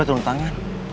gue turun tangan